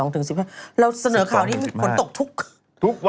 ๑๒ถึง๑๕เราเสนอข่าวที่ฝนตกทุกวัน